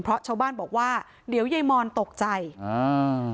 เพราะชาวบ้านบอกว่าเดี๋ยวยายมอนตกใจอ่า